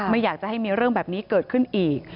ไม่อยากจะให้มีเรื่องแบบนี้เกิดขึ้นอีก